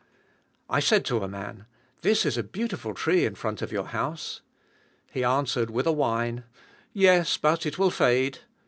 I said to a man, "This is a beautiful tree in front of your house." He answered, with a whine, "Yes; but it will fade."